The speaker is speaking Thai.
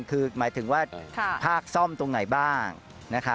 คือหมายถึงว่าภาคซ่อมตรงไหนบ้าง